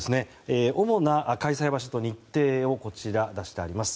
主な開催場所と日程をこちらに出してあります。